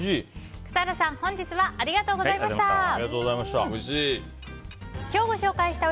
笠原さん、本日はありがとうございました。